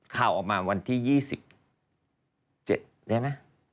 ข่าวออกมาวันที่๒๗ได้ไหม